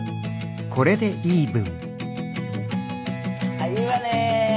あっいいわね。